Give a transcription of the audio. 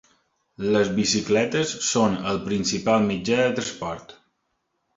Les bicicletes són el principal mitjà de transport.